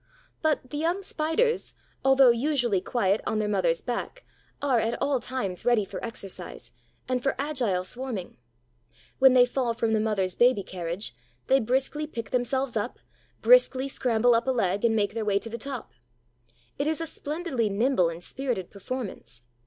But the young Spiders, although usually quiet on their mother's back, are at all times ready for exercise and for agile swarming. When they fall from the mother's baby carriage, they briskly pick themselves up, briskly scramble up a leg and make their way to the top. It is a splendidly nimble and spirited performance.